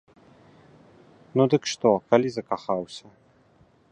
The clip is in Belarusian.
Ну, дык што, калі закахаўся?